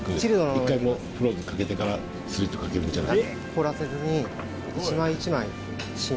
一回もフローズンかけてからスリットかけるんじゃなく？